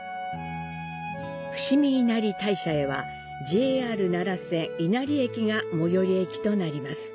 伏見稲荷大社へは、ＪＲ奈良線稲荷駅が最寄り駅となります。